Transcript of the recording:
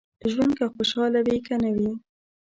ژوند که خوشاله وي که نه وي.